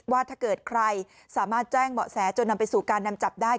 ว่าถ้าเกิดใครสามารถแจ้งเบาะแสจนนำไปสู่การนำจับได้